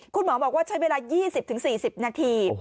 คุณหมอบอกว่าใช้เวลา๒๐๔๐นาที